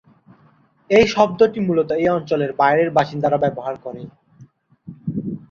এই শব্দটি মূলত এই অঞ্চলের বাইরের বাসিন্দারা ব্যবহার করে।